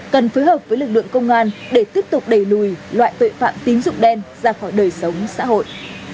cần phối hợp với lực lượng công an để tiếp tục đẩy lùi loại tội phạm tín dụng đen ra khỏi đời sống xã hội